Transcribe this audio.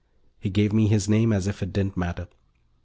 He gave me his name as if it didn't matter.